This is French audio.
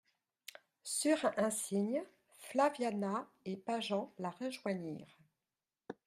Sur un signe, Flaviana et Pageant la rejoignirent.